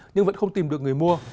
nhưng vẫn không tìm được người mua